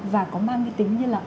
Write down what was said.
và có mang cái tính như là